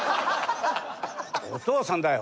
「お父さんだよ。